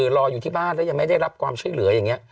รออยู่ที่บ้านแล้วยังไม่ได้รับความช่วยเหลืออย่างนี้